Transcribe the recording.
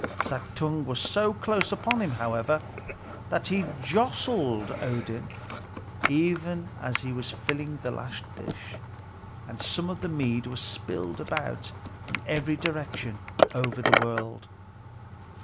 Suttung was so close upon him, however, that he jostled Odin even as he was filling the last dish, and some of the mead was spilled about in every direction over the world.